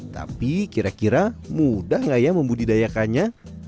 tapi kira kira mudah nggak ya membudidayakannya